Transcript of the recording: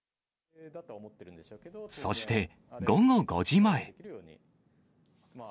そして、午後５時前。